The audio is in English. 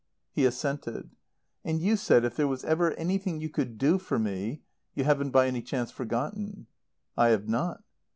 He assented. "And you said if there was ever anything you could do for me You haven't by any chance forgotten?" "I have not."